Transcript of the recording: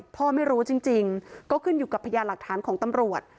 พ่อไม่รู้จริงก็ขึ้นอยู่กับพยานหลักฐานของตำรวจ